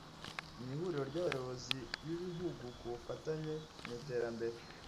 Mu ihuriro ry’abayobozi b’ibihugu ku bufatanye mu iterambere